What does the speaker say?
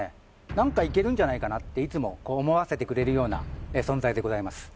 何かいけるんじゃないかなっていつも思わせてくれるような存在でございます